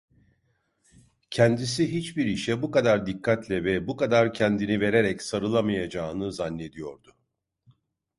Kendisi hiçbir işe bu kadar dikkatle ve bu kadar kendini vererek sarılamayacağını zannediyordu.